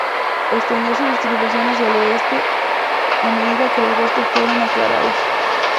Extendió su distribución hacia el oeste a medida que los bosques fueron aclarados.